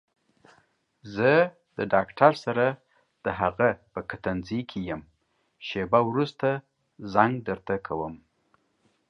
زه د ډاکټر سره دهغه په کتنځي کې يم شېبه وروسته زنګ درته کوم.